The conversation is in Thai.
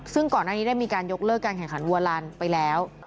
ซึ่งก่อนอันนี้มีการยกเลิกแข่งขันวัวลานไปแล้ว